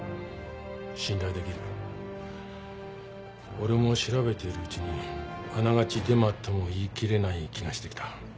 俺も調べているうちにあながちデマとも言い切れない気がしてきた。